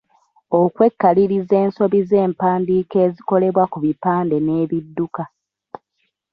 Okwekaliriza ensobi z’empandiika ezikolebwa ku bipande n’ebidduka.